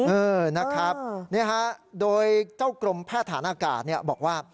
เออนะครับนี่ฮะโดยเจ้ากรมแพทย์ฐานอากาศบอกว่า